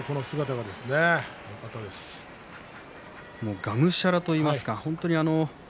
がむしゃらといいますか。